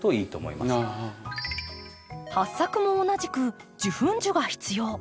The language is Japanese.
ハッサクも同じく受粉樹が必要。